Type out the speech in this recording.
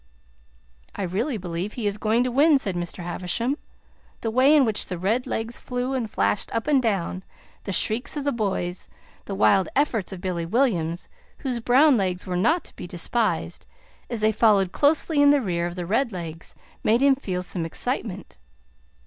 "I really believe he is going to win," said Mr. Havisham. The way in which the red legs flew and flashed up and down, the shrieks of the boys, the wild efforts of Billy Williams, whose brown legs were not to be despised, as they followed closely in the rear of the red legs, made him feel some excitement.